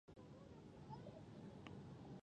تور غوايي رمباړه کړه.